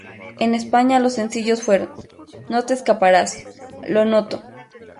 En España los sencillos fueron: No te escaparás-Lo Noto.